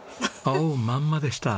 おおまんまでした。